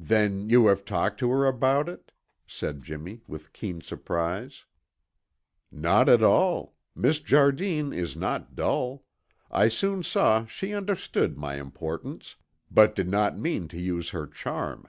"Then you have talked to her about it?" said Jimmy with keen surprise. "Not at all; Miss Jardine is not dull. I soon saw she understood my importance, but did not mean to use her charm.